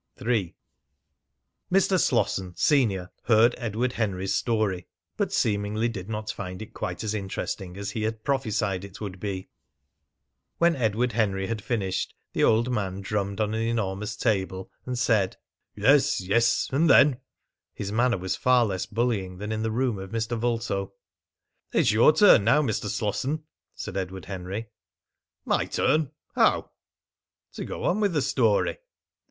III. Mr. Slosson, senior, heard Edward Henry's story, but seemingly did not find it quite as interesting as he had prophesied it would be. When Edward Henry had finished the old man drummed on an enormous table, and said: "Yes, yes. And then?" His manner was far less bullying than in the room of Mr. Vulto. "It's your turn now, Mr. Slosson," said Edward Henry. "My turn? How?" "To go on with the story."